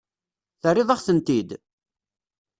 Terriḍ-aɣ-tent-id?